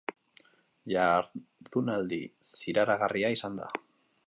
Jardunaldi zirraragarria izan da.